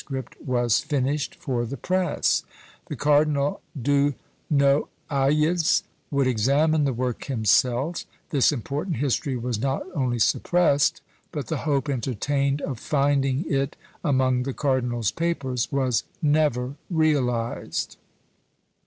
was finished for the press: the Cardinal do Noailles would examine the work himself; this important history was not only suppressed, but the hope entertained, of finding it among the cardinal's papers, was never realised.